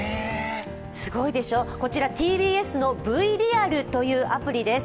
すごいでしょ、こちらＴＢＳの＃ｖＲｅａｌというアプリです。